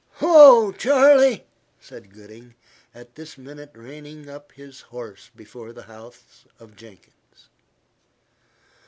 "Whoa, Charley," said Gooding, at this moment reining up his horse before the house of Jenkins.